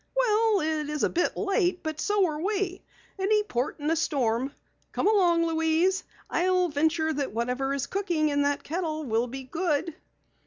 "Well, it is a bit late, but so are we. Any port in a storm. Come along, Louise. I'll venture that whatever is cooking in that kettle will be good."